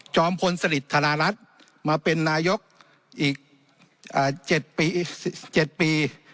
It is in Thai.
พลสลิดธนารัฐมาเป็นนายกอีก๗ปี